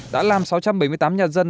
đã làm sáu trăm bảy mươi tám nhà dân